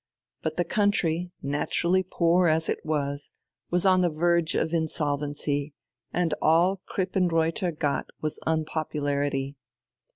But the country, naturally poor as it was, was on the verge of insolvency, and all Krippenreuther got was unpopularity.